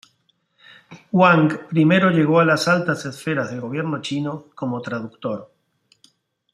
Huang primero llegó a las altas esferas del gobierno chino como traductor.